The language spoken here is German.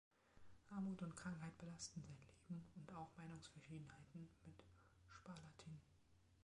Armut und Krankheit belasteten sein Leben und auch Meinungsverschiedenheiten mit Spalatin.